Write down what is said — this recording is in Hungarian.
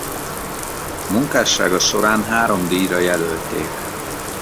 Munkássága során három díjra jelölték.